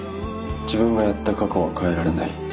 自分がやった過去は変えられない。